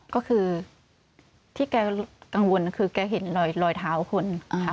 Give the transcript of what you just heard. ก็คือที่แกกังวลคือแกเห็นรอยเท้าคนค่ะ